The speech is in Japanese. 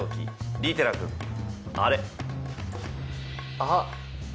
あっ。